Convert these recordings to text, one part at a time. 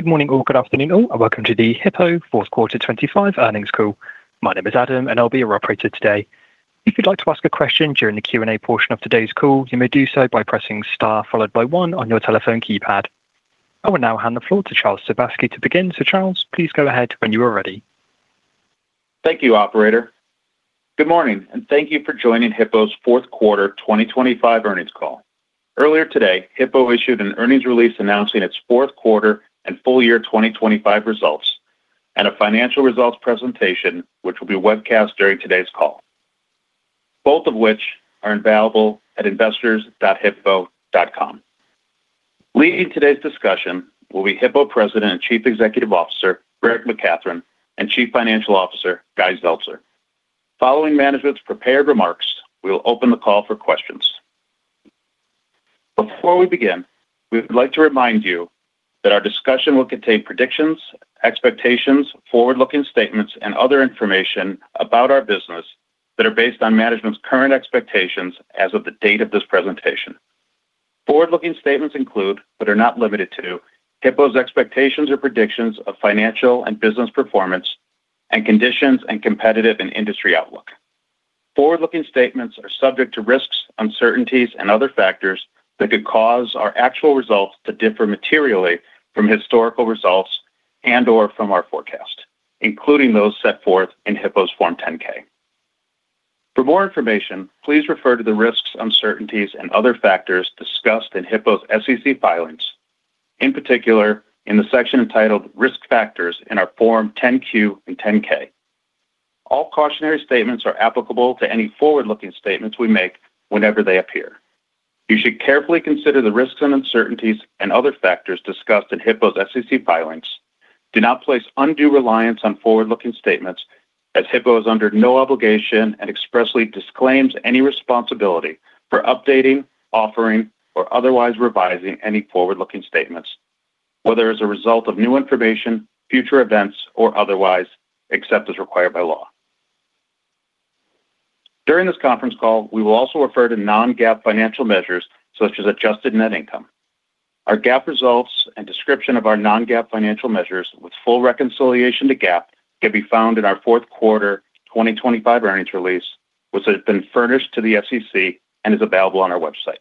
Good morning, all. Good afternoon, all, and welcome to the Hippo fourth quarter 2025 earnings call. My name is Adam, and I'll be your operator today. If you'd like to ask a question during the Q&A portion of today's call, you may do so by pressing star one on your telephone keypad. I will now hand the floor to Charles Sebaski to begin. Charles, please go ahead when you are ready. Thank you, operator. Good morning, and thank you for joining Hippo's Fourth Quarter 2025 Earnings Call. Earlier today, Hippo issued an earnings release announcing its fourth quarter and full year 2025 results, and a financial results presentation, which will be webcast during today's call, both of which are available at investors.hippo.com. Leading today's discussion will be Hippo President and Chief Executive Officer, Rick McCathron, and Chief Financial Officer, Guy Zeltser. Following management's prepared remarks, we will open the call for questions. Before we begin, we would like to remind you that our discussion will contain predictions, expectations, forward-looking statements, and other information about our business that are based on management's current expectations as of the date of this presentation. Forward-looking statements include, but are not limited to, Hippo's expectations or predictions of financial and business performance and conditions and competitive and industry outlook. Forward-looking statements are subject to risks, uncertainties, and other factors that could cause our actual results to differ materially from historical results and/or from our forecast, including those set forth in Hippo's Form 10-K. For more information, please refer to the risks, uncertainties, and other factors discussed in Hippo's SEC filings, in particular, in the section entitled Risk Factors in our Form 10-Q and 10-K. All cautionary statements are applicable to any forward-looking statements we make whenever they appear. You should carefully consider the risks and uncertainties and other factors discussed in Hippo's SEC filings. Do not place undue reliance on forward-looking statements as Hippo is under no obligation and expressly disclaims any responsibility for updating, offering, or otherwise revising any forward-looking statements, whether as a result of new information, future events, or otherwise, except as required by law. During this conference call, we will also refer to non-GAAP financial measures, such as Adjusted Net Income. Our GAAP results and description of our non-GAAP financial measures with full reconciliation to GAAP can be found in our fourth quarter 2025 earnings release, which has been furnished to the SEC and is available on our website.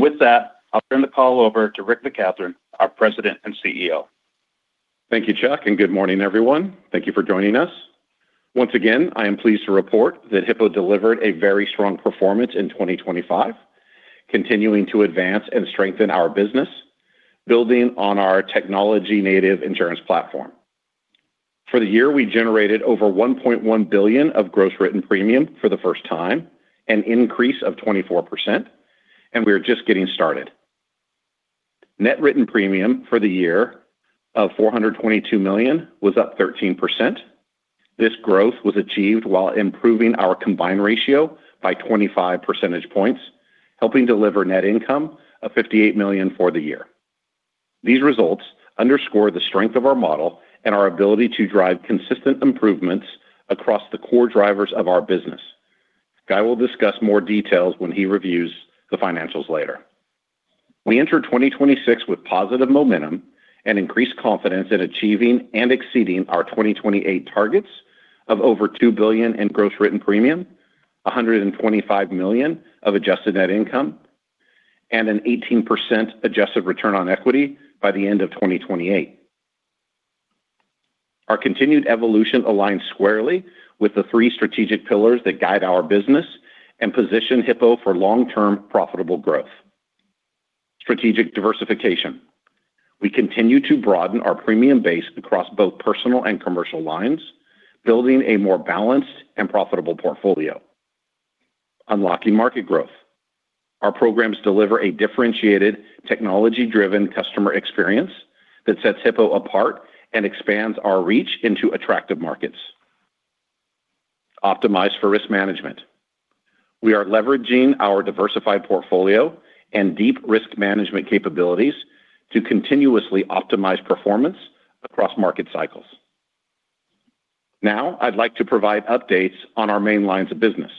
With that, I'll turn the call over to Rick McCathron, our President and CEO. Thank you, Chuck, and good morning, everyone. Thank you for joining us. Once again, I am pleased to report that Hippo delivered a very strong performance in 2025, continuing to advance and strengthen our business, building on our Technology-Native Insurance Platform. For the year, we generated over $1.1 billion of Gross Written Premium for the first time, an increase of 24%. We are just getting started. Net Written Premium for the year of $422 million was up 13%. This growth was achieved while improving our Combined Ratio by 25 percentage points, helping deliver Net Income of $58 million for the year. These results underscore the strength of our model and our ability to drive consistent improvements across the core drivers of our business. Guy will discuss more details when he reviews the financials later. We enter 2026 with positive momentum and increased confidence in achieving and exceeding our 2028 targets of over $2 billion in Gross Written Premium, $125 million of Adjusted Net Income, and an 18% Adjusted Return on Equity by the end of 2028. Our continued evolution aligns squarely with the three strategic pillars that guide our business and position Hippo for long-term profitable growth. Strategic Diversification. We continue to broaden our premium base across both personal and commercial lines, building a more balanced and profitable portfolio. Unlocking Market Growth. Our programs deliver a differentiated, technology-driven customer experience that sets Hippo apart and expands our reach into attractive markets. Optimized for Risk Management. We are leveraging our diversified portfolio and deep risk management capabilities to continuously optimize performance across market cycles. I'd like to provide updates on our main lines of business.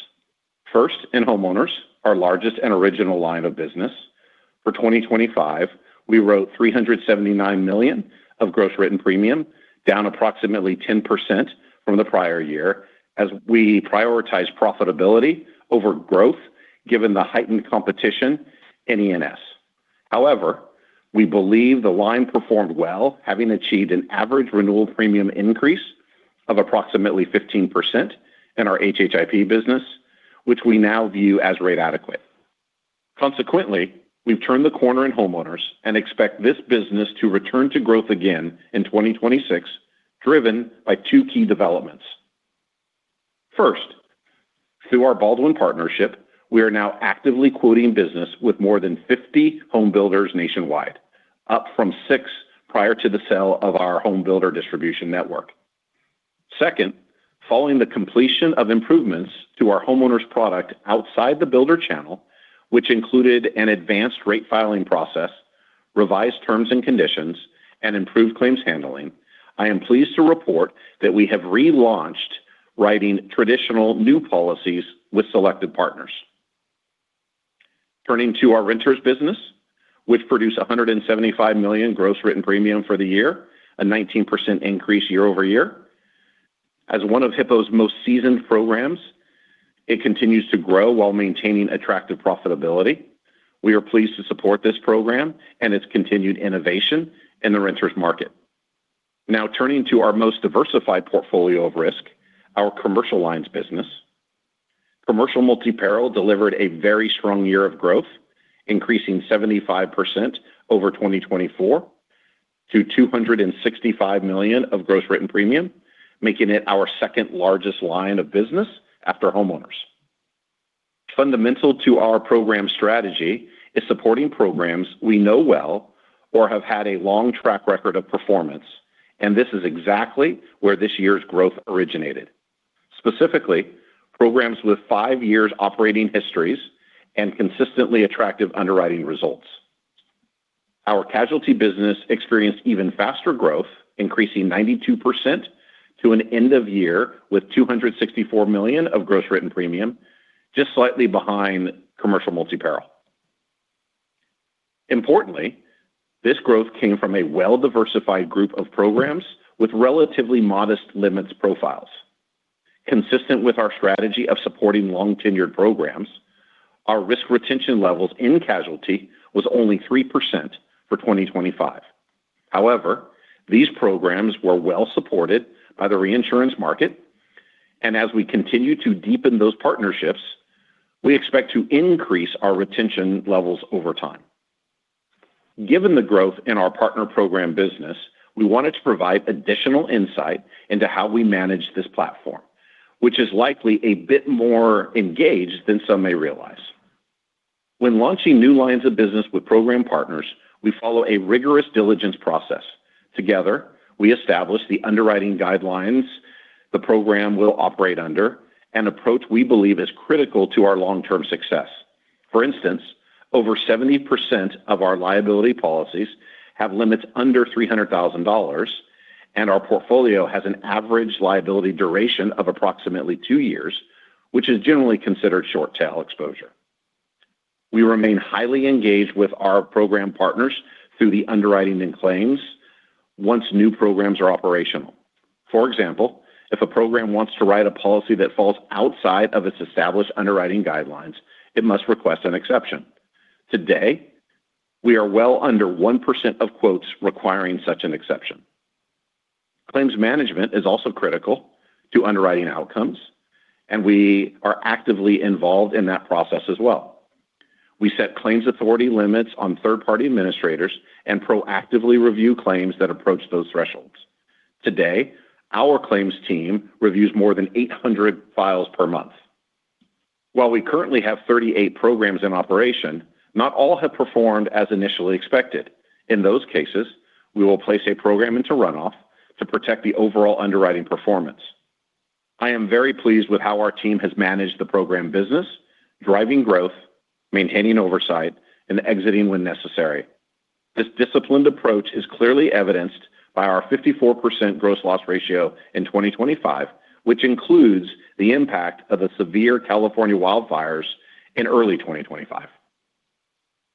First, in Homeowners, our largest and original line of business. For 2025, we wrote $379 million of Gross Written Premium, down approximately 10% from the prior year, as we prioritize profitability over growth, given the heightened competition in E&S. We believe the line performed well, having achieved an average renewal premium increase of approximately 15% in our HHIP business, which we now view as rate adequate. We've turned the corner in Homeowners and expect this business to return to growth again in 2026, driven by two key developments. First, through our Baldwin partnership, we are now actively quoting business with more than 50 home builders nationwide, up from six prior to the sale of our Home Builder Distribution Network. Second, following the completion of improvements to our Homeowners product outside the builder channel, which included an advanced rate filing process, revised terms and conditions, and improved claims handling, I am pleased to report that we have relaunched writing traditional new policies with selected partners. Turning to our Renters business, which produced $175 million Gross Written Premium for the year, a 19% increase year-over-year. As one of Hippo's most seasoned programs, it continues to grow while maintaining attractive profitability. We are pleased to support this program and its continued innovation in the renters market. Now, turning to our most diversified portfolio of risk, our Commercial Lines business. Commercial multi-peril delivered a very strong year of growth, increasing 75% over 2024 to $265 million of gross written premium, making it our second largest line of business after Homeowners. Fundamental to our program strategy is supporting programs we know well or have had a long track record of performance, this is exactly where this year's growth originated. Specifically, programs with five years operating histories and consistently attractive underwriting results. Our Casualty business experienced even faster growth, increasing 92% to an end of year with $264 million of Gross Written Premium, just slightly behind Commercial multi-peril. Importantly, this growth came from a well-diversified group of programs with relatively modest limits profiles. Consistent with our strategy of supporting long-tenured programs, our risk retention levels in casualty was only 3% for 2025. However, these programs were well supported by the reinsurance market, as we continue to deepen those partnerships, we expect to increase our retention levels over time. Given the growth in our Partner Program business, we wanted to provide additional insight into how we manage this platform, which is likely a bit more engaged than some may realize. When launching new lines of business with program partners, we follow a rigorous diligence process. Together, we establish the underwriting guidelines the program will operate under, an approach we believe is critical to our long-term success. For instance, over 70% of our liability policies have limits under $300,000, and our portfolio has an average liability duration of approximately two years, which is generally considered short tail exposure. We remain highly engaged with our program partners through the underwriting and claims once new programs are operational. For example, if a program wants to write a policy that falls outside of its established underwriting guidelines, it must request an exception. Today, we are well under 1% of quotes requiring such an exception. Claims Management is also critical to underwriting outcomes. We are actively involved in that process as well. We set claims authority limits on third-party administrators and proactively review claims that approach those thresholds. Today, our Claims Team reviews more than 800 files per month. While we currently have 38 programs in operation, not all have performed as initially expected. In those cases, we will place a program into runoff to protect the overall underwriting performance. I am very pleased with how our team has managed the program business, driving growth, maintaining oversight, and exiting when necessary. This disciplined approach is clearly evidenced by our 54% gross loss ratio in 2025, which includes the impact of the severe California wildfires in early 2025.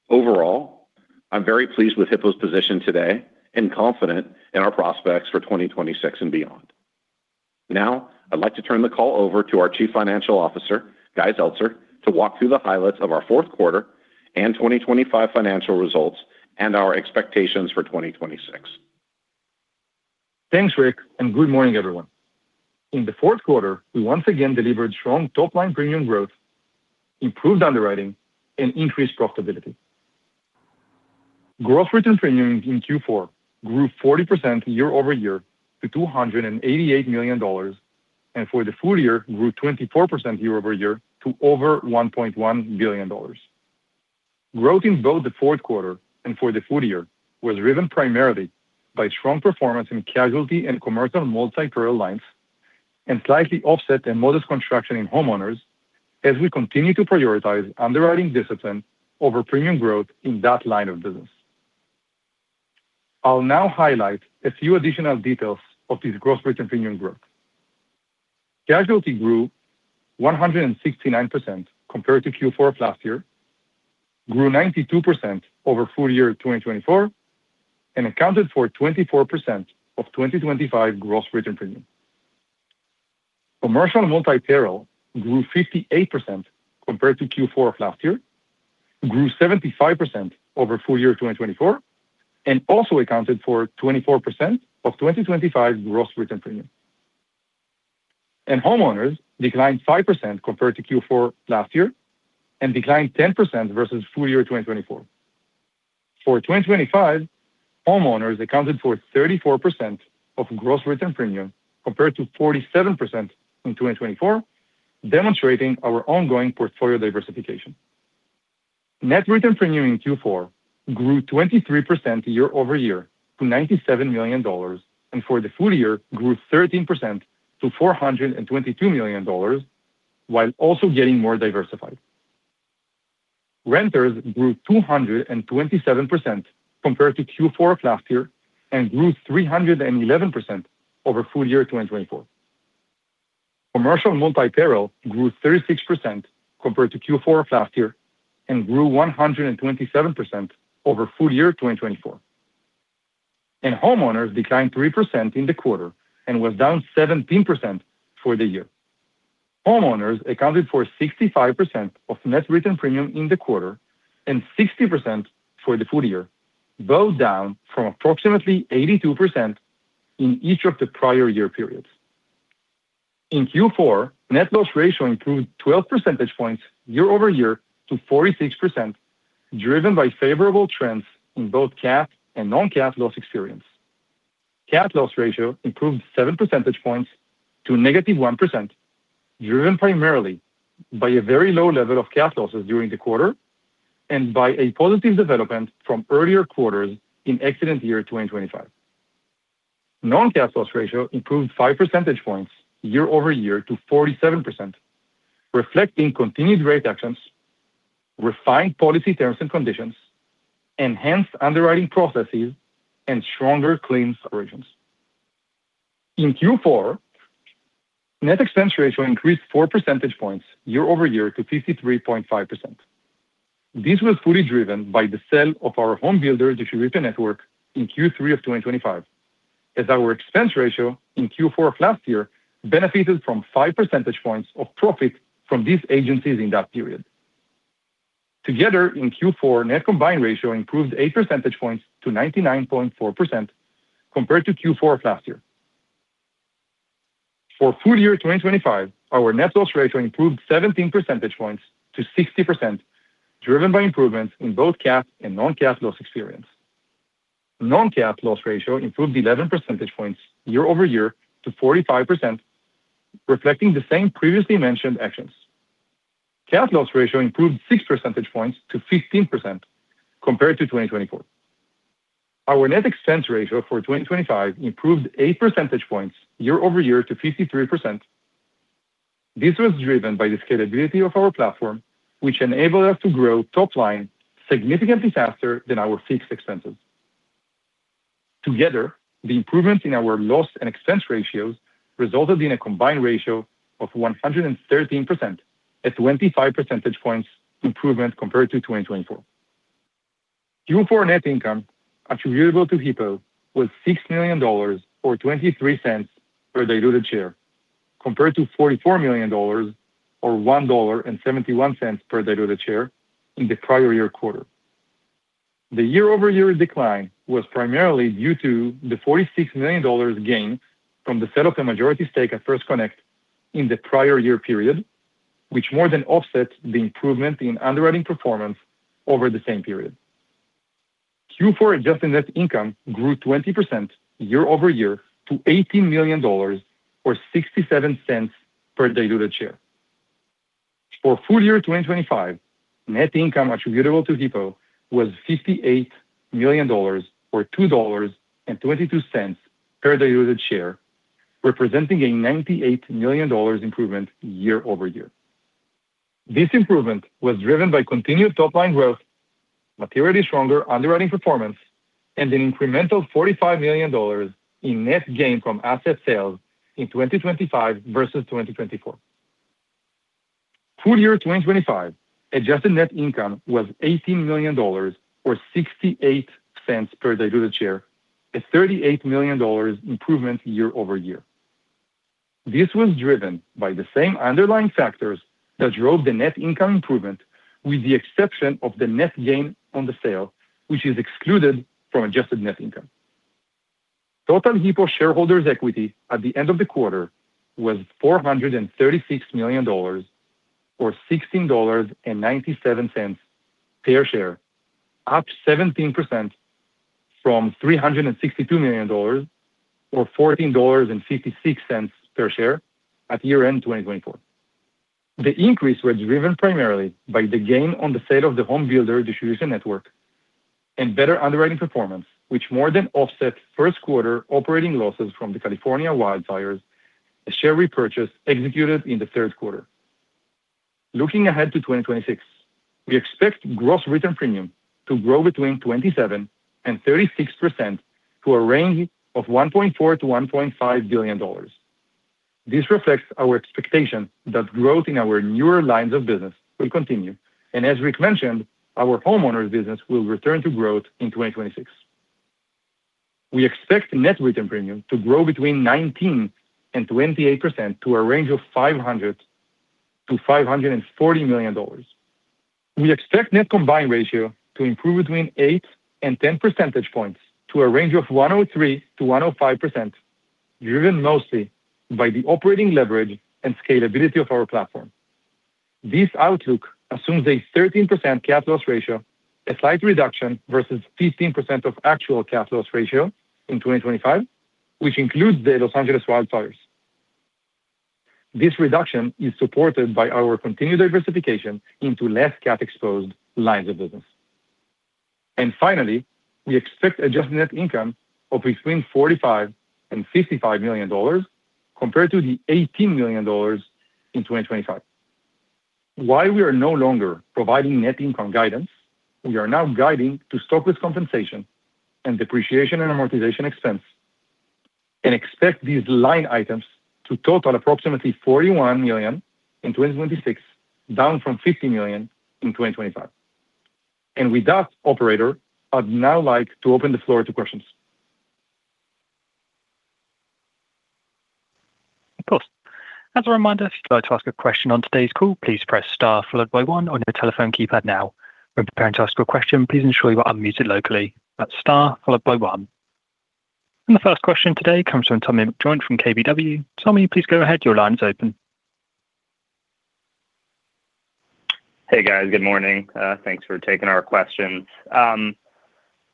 Overall, I'm very pleased with Hippo's position today and confident in our prospects for 2026 and beyond. I'd like to turn the call over to our Chief Financial Officer, Guy Zeltser, to walk through the highlights of our fourth quarter and 2025 financial results and our expectations for 2026. Thanks, Rick. Good morning, everyone. In the 4th quarter, we once again delivered strong top-line premium growth, improved underwriting, and increased profitability. Gross Written Premium in Q4 grew 40% year-over-year to $288 million, and for the full year, grew 24% year-over-year to over $1.1 billion. Growth in both the 4th quarter and for the full year was driven primarily by strong performance in Casualty and Commercial multi-peril lines, and slightly offset and modest construction in homeowners as we continue to prioritize underwriting discipline over premium growth in that line of business. I'll now highlight a few additional details of this Gross Written Premium growth. Casualty grew 169% compared to Q4 of last year, grew 92% over full year 2024, and accounted for 24% of 2025 Gross Written Premium. Commercial multi-peril grew 58% compared to Q4 of last year, grew 75% over full year 2024, and also accounted for 24% of 2025 Gross Written Premium. Homeowners declined 5% compared to Q4 last year and declined 10% versus full year 2024. For 2025, Homeowners accounted for 34% of gross written premium, compared to 47% in 2024, demonstrating our ongoing portfolio diversification. Net Written Premium in Q4 grew 23% year-over-year to $97 million, and for the full year, grew 13% to $422 million, while also getting more diversified. Renters grew 227% compared to Q4 of last year and grew 311% over full year 2024.... Commercial multi-peril grew 36% compared to Q4 of last year, and grew 127% over full year 2024. Homeowners declined 3% in the quarter and was down 17% for the year. Homeowners accounted for 65% of Net Written Premium in the quarter and 60% for the full year, both down from approximately 82% in each of the prior year periods. In Q4, Net Loss Ratio improved 12 percentage points year-over-year to 46%, driven by favorable trends in both cat and non-cat loss experience. Cat Loss Ratio improved 7 percentage points to -1%, driven primarily by a very low level of cat losses during the quarter and by a positive development from earlier quarters in accident year 2025. Non-cat loss ratio improved 5 percentage points year-over-year to 47%, reflecting continued rate actions, refined policy terms and conditions, enhanced underwriting processes, and stronger claims origins. In Q4, Net Expense Ratio increased 4 percentage points year-over-year to 53.5%. This was fully driven by the sale of our home builder distribution network in Q3 of 2025, as our Expense Ratio in Q4 of last year benefited from 5 percentage points of profit from these agencies in that period. Together, in Q4, Net Combined Ratio improved 8 percentage points to 99.4% compared to Q4 of last year. For full year 2025, our Net Loss Ratio improved 17 percentage points to 60%, driven by improvements in both cat and non-cat loss experience. Non-cat loss ratio improved 11 percentage points year-over-year to 45%, reflecting the same previously mentioned actions. Cat loss ratio improved 6 percentage points to 15% compared to 2024. Our Net Expense Ratio for 2025 improved 8 percentage points year-over-year to 53%. This was driven by the scalability of our platform, which enabled us to grow top line significantly faster than our fixed expenses. Together, the improvements in our loss and expense ratios resulted in a Combined Ratio of 113%, a 25 percentage points improvement compared to 2024. Q4 net income attributable to Hippo was $6 million or $0.23 per diluted share, compared to $44 million or $1.71 per diluted share in the prior year quarter. The year-over-year decline was primarily due to the $46 million gain from the sale of the majority stake at First Connect in the prior year period, which more than offsets the improvement in underwriting performance over the same period. Q4 Adjusted Net Income grew 20% year-over-year to $18 million, or $0.67 per diluted share. For full year 2025, net income attributable to Hippo was $58 million or $2.22 per diluted share, representing a $98 million improvement year-over-year. This improvement was driven by continued top-line growth, materially stronger underwriting performance, and an incremental $45 million in net gain from asset sales in 2025 versus 2024. Full year 2025 Adjusted Net Income was $18 million or $0.68 per diluted share, a $38 million improvement year-over-year. This was driven by the same underlying factors that drove the Net Income improvement, with the exception of the net gain on the sale, which is excluded from Adjusted Net Income. Total Hippo shareholders' equity at the end of the quarter was $436 million, or $16.97 per share, up 17% from $362 million or $14.56 per share at year-end 2024. The increase was driven primarily by the gain on the sale of the Homebuilder Distribution Network and better underwriting performance, which more than offset 1st quarter operating losses from the California wildfires, a share repurchase executed in the 3rd quarter. Looking ahead to 2026, we expect Gross Written Premium to grow between 27% and 36% to a range of $1.4 billion-$1.5 billion. This reflects our expectation that growth in our newer lines of business will continue, and as Rick mentioned, our Homeowners business will return to growth in 2026. We expect Net Written Premium to grow between 19% and 28% to a range of $500 million-$540 million. We expect net Combined Ratio to improve between 8 and 10 percentage points to a range of 103%-105%, driven mostly by the operating leverage and scalability of our platform. This outlook assumes a 13% Cat Loss Ratio, a slight reduction versus 15% of actual Cat Loss Ratio in 2025, which includes the Los Angeles wildfires. This reduction is supported by our continued diversification into less cat-exposed lines of business. Finally, we expect Adjusted Net Income of between $45 million and $55 million, compared to the $18 million in 2025. While we are no longer providing Net Income guidance, we are now guiding to stock-based compensation and depreciation and amortization expense, and expect these line items to total approximately $41 million in 2026, down from $50 million in 2025. With that, operator, I'd now like to open the floor to questions. Of course. As a reminder, if you'd like to ask a question on today's call, please press star followed by one on your telephone keypad now. When preparing to ask a question, please ensure you are unmuted locally. That's star followed by one. The first question today comes from Tommy McJoynt from KBW. Tommy, please go ahead. Your line's open. Hey, guys. Good morning. Thanks for taking our questions.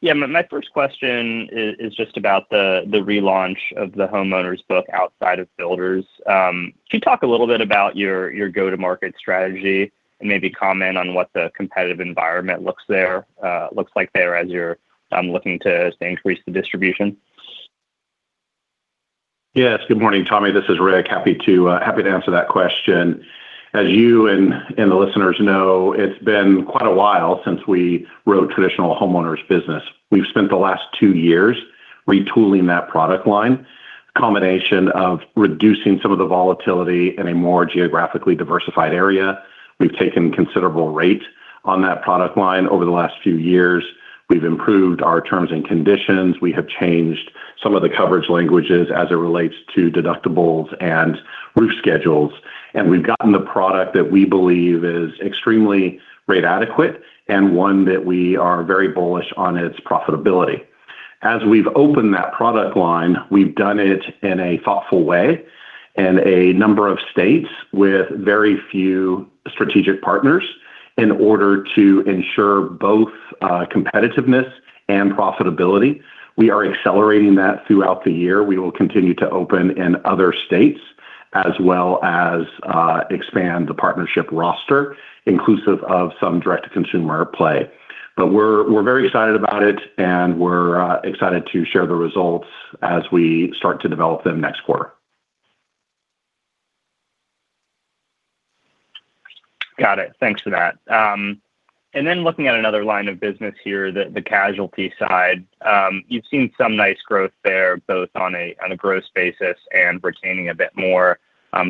My first question is just about the relaunch of the Homeowners book outside of Builders. Can you talk a little bit about your go-to-market strategy and maybe comment on what the competitive environment looks like there as you're looking to increase the distribution? Yes, good morning, Tommy. This is Rick. Happy to answer that question. As you and the listeners know, it's been quite a while since we wrote traditional homeowners business. We've spent the last two years retooling that product line, a combination of reducing some of the volatility in a more geographically diversified area. We've taken considerable rate on that product line over the last few years. We've improved our terms and conditions. We have changed some of the coverage languages as it relates to deductibles and roof schedules, and we've gotten the product that we believe is extremely rate adequate and one that we are very bullish on its profitability. As we've opened that product line, we've done it in a thoughtful way in a number of states with very few strategic partners in order to ensure both competitiveness and profitability. We are accelerating that throughout the year. We will continue to open in other states, as well as, expand the partnership roster, inclusive of some direct-to-consumer play. We're very excited about it, and we're excited to share the results as we start to develop them next quarter. Got it. Thanks for that. Then looking at another line of business here, the casualty side. You've seen some nice growth there, both on a gross basis and retaining a bit more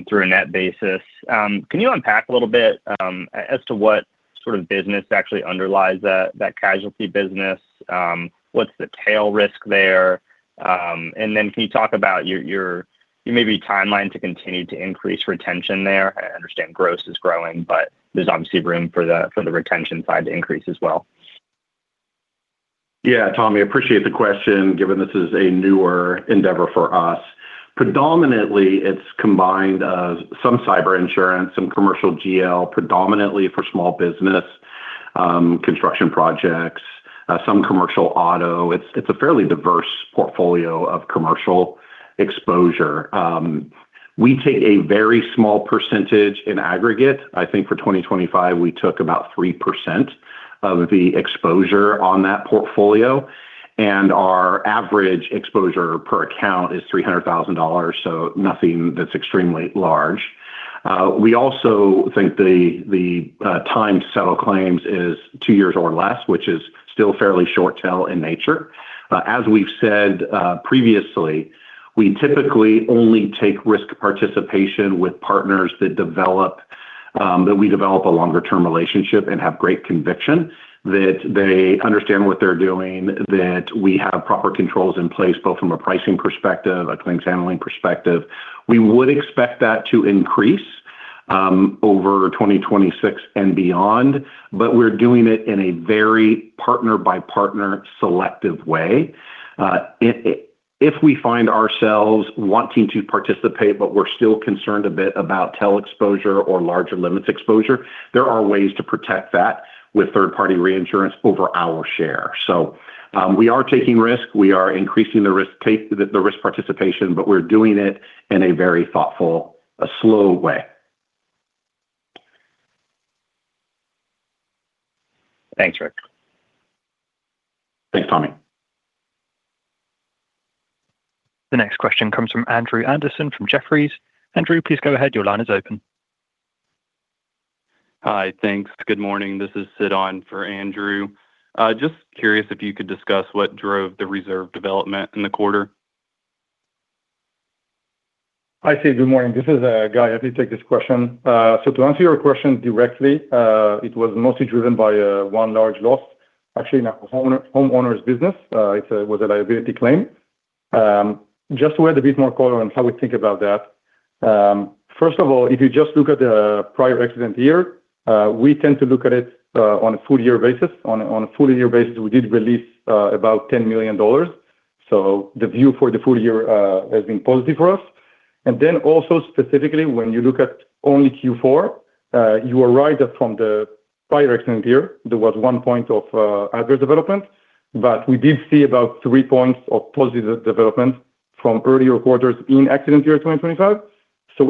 through a net basis. Can you unpack a little bit as to what sort of business actually underlies that casualty business? What's the tail risk there? Then can you talk about your maybe timeline to continue to increase retention there? I understand gross is growing, but there's obviously room for the retention side to increase as well. Yeah, Tommy, appreciate the question, given this is a newer endeavor for us. Predominantly, it's combined of some cyber insurance, some commercial GL, predominantly for small business, construction projects, some commercial auto. It's a fairly diverse portfolio of commercial exposure. We take a very small percentage in aggregate. I think for 2025, we took about 3% of the exposure on that portfolio, and our average exposure per account is $300,000, so nothing that's extremely large. We also think the time to settle claims is two years or less, which is still fairly short tail in nature. As we've said, previously, we typically only take risk participation with partners that develop. that we develop a longer-term relationship and have great conviction, that they understand what they're doing, that we have proper controls in place, both from a pricing perspective, a claims handling perspective. We would expect that to increase, over 2026 and beyond, but we're doing it in a very partner-by-partner, selective way. If we find ourselves wanting to participate, but we're still concerned a bit about tail exposure or larger limits exposure, there are ways to protect that with third-party reinsurance over our share. We are taking risk, we are increasing the risk participation, but we're doing it in a very thoughtful, a slow way. Thanks, Rick. Thanks, Tommy. The next question comes from Andrew Andersen, from Jefferies. Andrew, please go ahead. Your line is open. Hi. Thanks. Good morning. This is Sid on for Andrew. Just curious if you could discuss what drove the reserve development in the quarter? Hi, Sid. Good morning. This is Guy. Happy to take this question. To answer your question directly, it was mostly driven by one large loss, actually in our Homeowners business. It was a liability claim. Just to add a bit more color on how we think about that, first of all, if you just look at the prior accident year, we tend to look at it on a full year basis. On a full year basis, we did release about $10 million, so the view for the full year has been positive for us. Also, specifically, when you look at only Q4, you are right that from the prior accident year, there was one point of adverse development, but we did see about three points of positive development from earlier quarters in accident year 2025.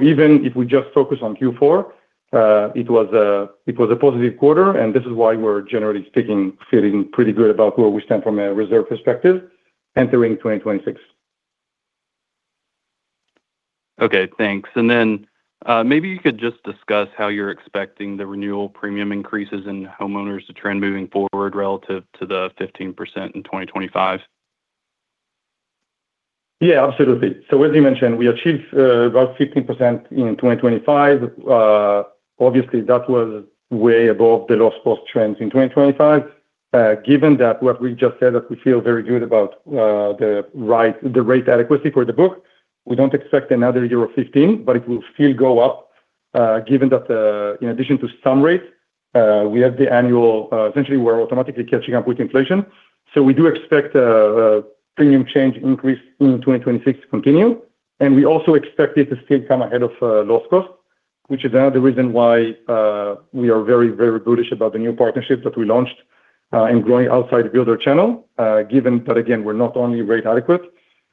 Even if we just focus on Q4, it was a positive quarter, and this is why we're generally feeling pretty good about where we stand from a reserve perspective entering 2026. Okay, thanks. Maybe you could just discuss how you're expecting the renewal premium increases in Homeowners to trend moving forward relative to the 15% in 2025? Yeah, absolutely. As you mentioned, we achieved about 15% in 2025. Obviously, that was way above the loss post trends in 2025. Given that what we just said, that we feel very good about the right, the rate adequacy for the book, we don't expect another year of 15, but it will still go up given that in addition to some rates, we have the annual, essentially, we're automatically catching up with inflation. We do expect a premium change increase in 2026 to continue, and we also expect it to still come ahead of loss cost, which is another reason why we are very, very bullish about the new partnerships that we launched in growing outside builder channel. Given that, again, we're not only rate adequate,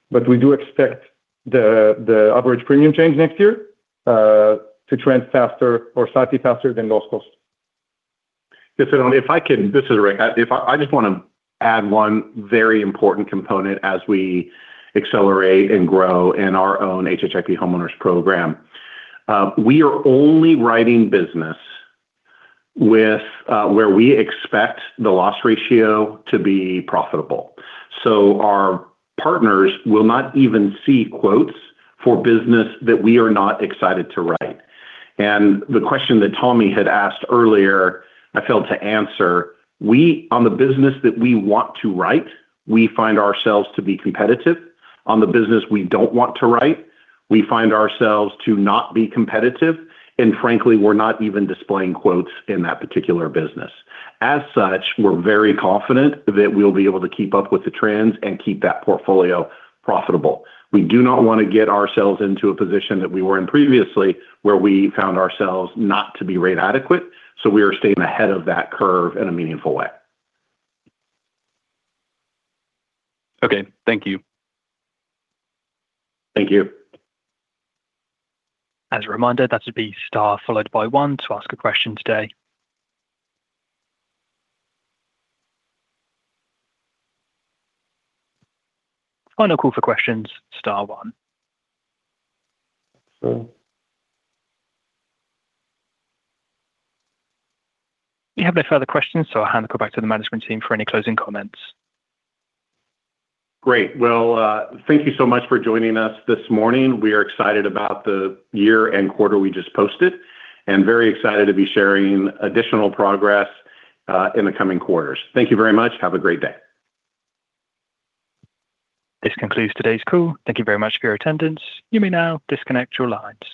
but we do expect the average premium change next year to trend faster or slightly faster than loss cost. Yes, if I can. This is Rick McCathron. If I just wanna add one very important component as we accelerate and grow in our own HHIP Homeowners program. We are only writing business with where we expect the loss ratio to be profitable. Our partners will not even see quotes for business that we are not excited to write. The question that Tommy McJoynt had asked earlier, I failed to answer, on the business that we want to write, we find ourselves to be competitive. On the business we don't want to write, we find ourselves to not be competitive, and frankly, we're not even displaying quotes in that particular business. As such, we're very confident that we'll be able to keep up with the trends and keep that portfolio profitable. We do not want to get ourselves into a position that we were in previously, where we found ourselves not to be rate adequate, so we are staying ahead of that curve in a meaningful way. Okay. Thank you. Thank you. As a reminder, that would be star followed by one to ask a question today. Final call for questions, star one. So- We have no further questions, so I'll hand it back to the management team for any closing comments. Great. Well, thank you so much for joining us this morning. We are excited about the year and quarter we just posted, and very excited to be sharing additional progress in the coming quarters. Thank you very much. Have a great day. This concludes today's call. Thank you very much for your attendance. You may now disconnect your lines.